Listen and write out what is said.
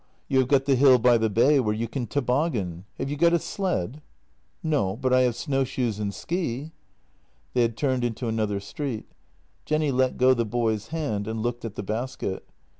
You have got the hill by the bay where you can toboggan. Have you got a sled? "" No, but I have snowshoes and ski." They had turned into another street. Jenny let go the boy's hand and looked at the basket.